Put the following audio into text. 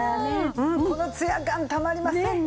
このツヤ感たまりませんね。